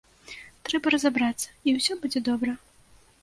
Трэба разабрацца, і ўсё будзе добра.